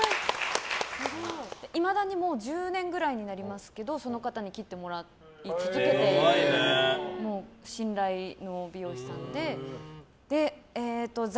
いまだに１０年くらいになりますけどその方に切ってもらい続けて信頼の美容師さんで。